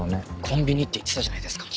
コンビニって言ってたじゃないですか。